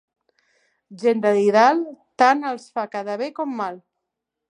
Gent de didal, tant els fa quedar bé com mal.